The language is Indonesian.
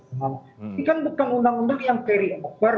ini kan bukan undang undang yang carry over